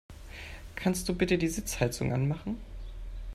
Kannst du bitte die Sitzheizung anmachen?